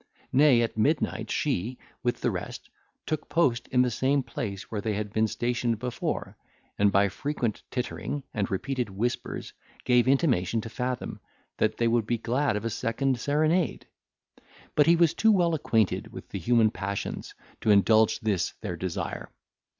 Nay, at midnight, she, with the rest, took post in the same place where they had been stationed before; and, by frequent tittering, and repeated whispers, gave intimation to Fathom, that they would be glad of a second serenade. But he was too well acquainted with the human passions to indulge this their desire.